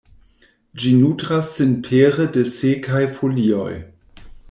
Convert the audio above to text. Ĝi nutras sin pere de sekaj folioj.